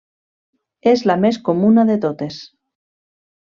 És la més comuna de totes.